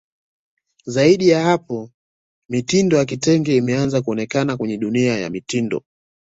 Zaidi ya hapo mitindo ya vitenge imeanze kuonekana kwenye dunia ya mitindo